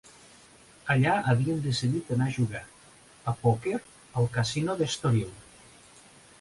Allà havien decidit anar a jugar a pòquer al casino d'Estoril.